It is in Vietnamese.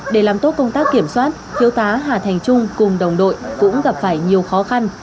để làm tốt công tác kiểm soát thiếu tá hà thành trung cùng đồng đội cũng gặp phải nhiều khó khăn